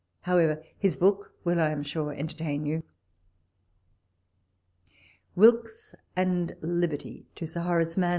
However, his book will I am sure entertain you. ...\ II "WILKES Al^'D LlHETiTY To Sir Hoka(e IMann.